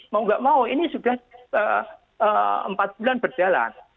mau nggak mau ini sudah empat bulan berjalan